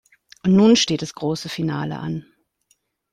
Und nun steht das große Finale an.